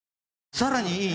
さらにいい？